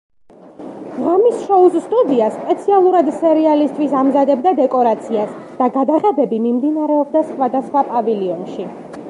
ღამის შოუს სტუდია სპეციალურად სერიალისთვის ამზადებდა დეკორაციას და გადაღებები მიმდინარეობდა სხვადასხვა პავილიონში.